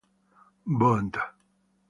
Bond".